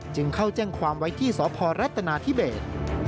จึงเข้าแจ้งความไว้ที่สพรัฐนาธิเบศ